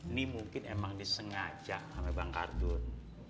ini mungkin emang disengaja sama bang kartun